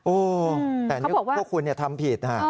โอ้แต่นี่คุณทำผิดค่ะ